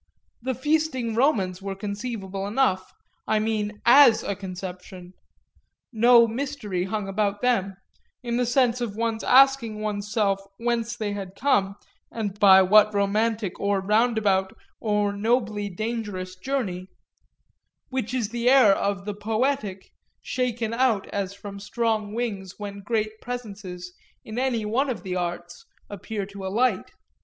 The feasting Romans were conceivable enough, I mean as a conception; no mystery hung about them in the sense of one's asking one's self whence they had come and by what romantic or roundabout or nobly dangerous journey; which is that air of the poetic shaken out as from strong wings when great presences, in any one of the arts, appear to alight.